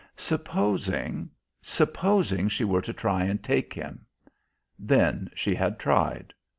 Supposing supposing she were to try and take him? Then she had tried.